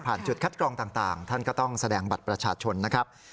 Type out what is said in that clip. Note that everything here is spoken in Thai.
จุดคัดกรองต่างท่านก็ต้องแสดงบัตรประชาชนนะครับ